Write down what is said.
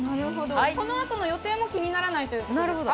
このあとの予定も気にならないということですか。